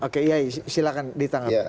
oke yai silahkan ditanggap